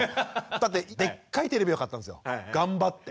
だってでっかいテレビを買ったんですよ。頑張って。